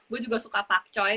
gue juga suka pakcoy